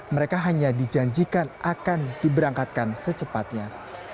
mereka hanya dijanjikan akan diberangkatkan secepatnya